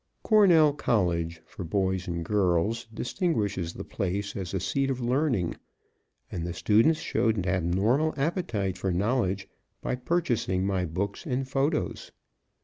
Cornell College, for boys and girls, distinguishes the place as a seat of learning, and the students showed an abnormal appetite for knowledge by purchasing my books and photos.